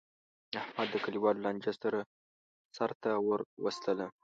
احمد د کلیوالو لانجه سرته ور وستله.